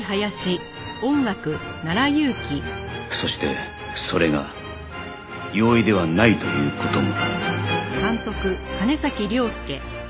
そしてそれが容易ではないという事も